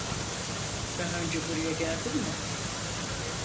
Daha önce buraya geldin mi?